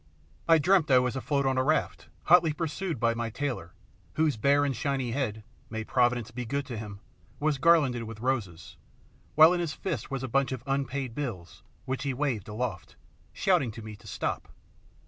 I dreamt I was afloat on a raft, hotly pursued by my tailor, whose bare and shiny head may Providence be good to him! was garlanded with roses, while in his fist was a bunch of unpaid bills, the which he waved aloft, shouting to me to stop.